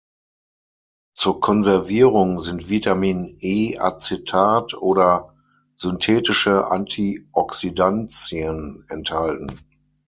Zur Konservierung sind Vitamin-E-Acetat oder synthetische Antioxidantien enthalten.